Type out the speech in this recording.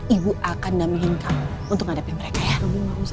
ibu akan damaiin kamu untuk ngadepin mereka ya